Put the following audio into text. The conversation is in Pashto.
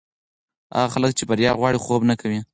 هغه خلک چې بریا غواړي، خوب نه کوي.